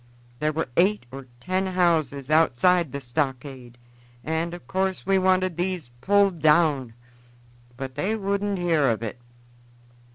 There were eight or ten houses outside the stockade, and in course we wanted these pulled down; but they wouldn't hear of it.